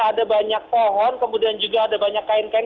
ada banyak pohon kemudian juga ada banyak kain kain